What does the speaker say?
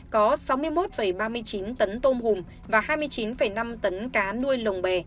có sáu mươi một ba mươi chín tấn tôm hùm và hai mươi chín năm tấn cá nuôi lồng bè